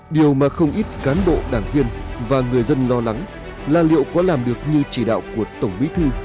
điều mà không ít cán bộ đảng viên và người dân lo lắng là liệu có làm được như chỉ đạo của tổng bí thư